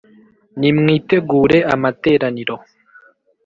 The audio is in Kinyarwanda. nimwitegure amateraniro